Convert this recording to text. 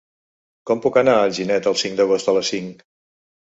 Com puc anar a Alginet el cinc d'agost a les cinc?